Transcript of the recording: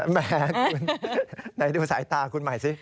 แม่คุณไหนดูสายตาคุณใหม่สิ